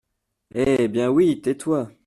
Eh ! bien oui, tais-toi !